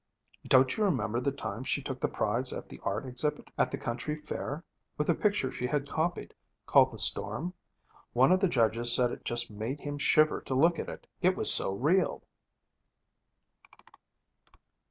Don't you remember the time she took the prize at the art exhibit at the country fair, with a picture she had copied, called The Storm? One of the judges said it just made him shiver to look at it, it was so real.'